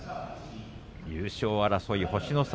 優勝争い星の差